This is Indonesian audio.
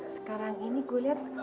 sekarang ini gue liat